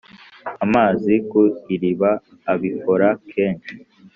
amazi ku iriba abikora kenshi